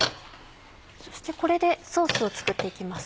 そしてこれでソースを作って行きます。